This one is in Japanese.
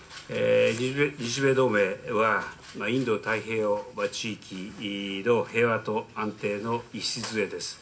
日米同盟はインド太平洋地域の平和と安定の礎です。